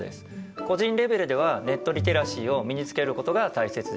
個人レベルではネットリテラシーを身につけることが大切です。